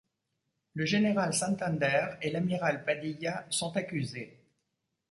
Le général Santander, et l'amiral Padilla sont accusés.